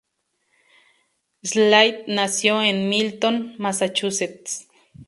Slate nació en Milton, Massachusetts.